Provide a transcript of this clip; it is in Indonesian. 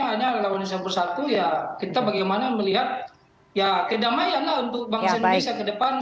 hanya relawan indonesia bersatu ya kita bagaimana melihat ya kedamaian lah untuk bangsa indonesia ke depan